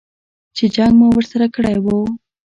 چې جنګ مو ورسره کړی و.